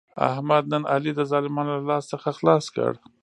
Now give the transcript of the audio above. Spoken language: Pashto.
احمد نن علي د ظالمانو له لاس څخه خلاص کړ.